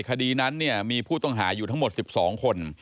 คดีนั้นมีผู้ต้องหาอยู่ทั้งหมด๑๒คน